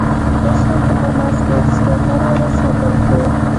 اوس هم په تماس کې یاست؟ هو، هره ورځ خبرې کوو